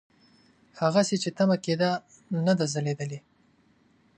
هغسې چې تمه کېده نه ده ځلېدلې.